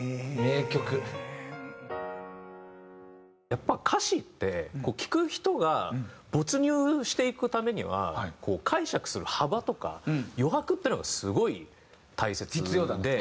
やっぱ歌詞って聴く人が没入していくためにはこう解釈する幅とか余白っていうのがすごい大切で。